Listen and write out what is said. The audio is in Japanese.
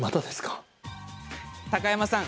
高山さん